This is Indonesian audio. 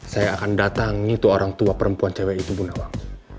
saya akan datang itu orang tua perempuan cewek itu bunda bang